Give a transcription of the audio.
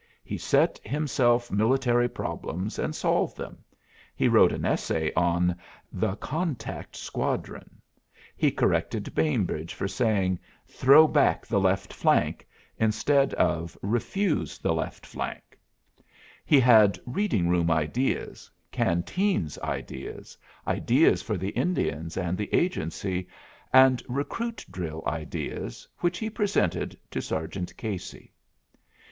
He set himself military problems, and solved them; he wrote an essay on "The Contact Squadron"; he corrected Bainbridge for saying "throw back the left flank" instead of "refuse the left flank"; he had reading room ideas, canteen' ideas, ideas for the Indians and the Agency, and recruit drill ideas, which he presented to Sergeant Casey.